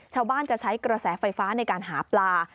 ชาวบ้านจะใช้กระแสไฟฟ้าในการหาปลา